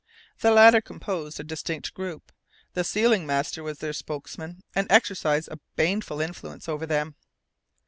The latter composed a distinct group; the sealing master was their spokesman and exercised a baneful influence over them.